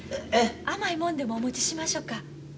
甘いもんでもお持ちしましょか。